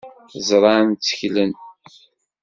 Ẓran, tteklen.